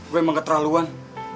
gue emang keterlaluan